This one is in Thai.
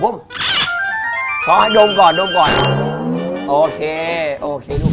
ไปถอยง่วงเด็กก่อนเร็ว